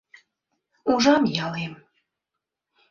Ужам ялем.